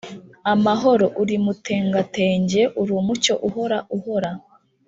Amahoro uri umutengatenge uri umucyo uhora uhora